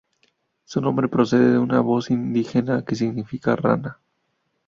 Su nombre procede de una voz indígena que significa "rana".